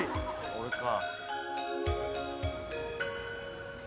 俺か。